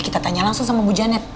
kita tanya langsung sama bu janet